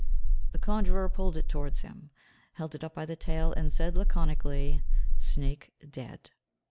The conjurer pulled it towards him, held it up by the tail, and said laconically, "Snake dead."